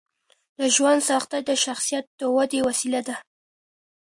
د ژوند سختۍ د شخصیت ودې وسیله ده.